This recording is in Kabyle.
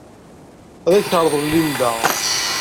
Ad ak-t-terḍel Linda.